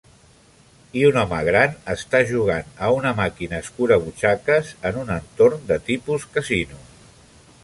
I un home gran està jugant a una màquina escurabutxaques en un entorn de tipus casino.